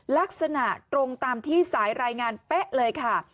ลักษณะตรงตามที่สายรายงานเป๊ะเลยค่ะ